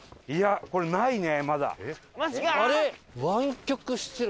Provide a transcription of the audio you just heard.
いやこれないねまだ。